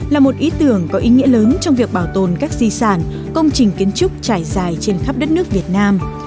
là một ý tưởng có ý nghĩa lớn trong việc bảo tồn các di sản công trình kiến trúc trải dài trên khắp đất nước việt nam